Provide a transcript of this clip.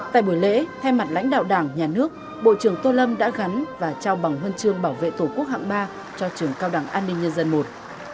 tại buổi lễ thay mặt lãnh đạo đảng nhà nước bộ trưởng tô lâm đã gắn và trao bằng huân chương bảo vệ tổ quốc hạng ba cho trường cao đẳng an ninh nhân dân i